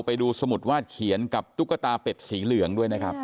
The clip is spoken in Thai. ไปดูสมุดวาดเขียนกับตุ๊กตาเป็ดสีเหลืองด้วยนะครับ